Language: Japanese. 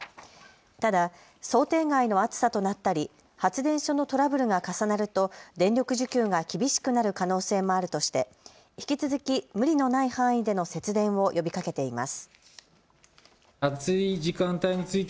ただ想定外の暑さとなったり発電所のトラブルが重なると電力需給が厳しくなる可能性もあるとして引き続き無理のない範囲での節電を呼びかけています。